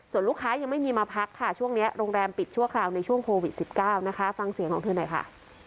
ส่วนลูกค้ายังไม่มีมาพักค่ะช่วงนี้โรงแรมปิดชั่วคราวในช่วงโควิด๑๙นะคะฟังเสียงของเธอหน่อยค่ะ